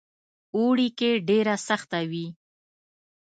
اوړي کې ډېره سخته وي.